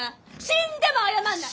死んでも謝んない！